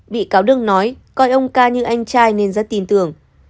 bị cáo đương nói coi ông ca như anh trai nên rất tin tưởng